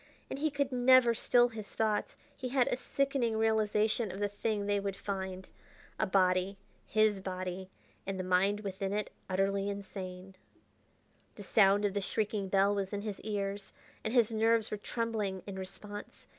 And he could never still his thoughts.... He had a sickening realization of the thing they would find. A body! his body! and the mind within it utterly insane.... The sound of the shrieking bell was in his ears, and his nerves were trembling in response.